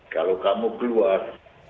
kalau kamu keluar